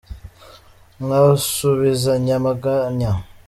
Nkasubizanya amaganya